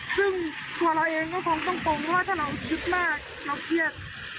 ซึ่งความเราเองของต้องพงว่าถ้าเราคิดมากเราก็เครียด